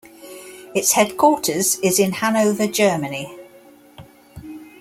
Its headquarters is in Hannover, Germany.